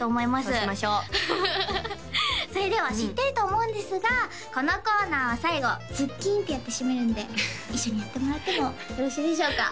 そうしましょうそれでは知ってると思うんですがこのコーナーは最後「ズッキーン」ってやって締めるんで一緒にやってもらってもよろしいでしょうか？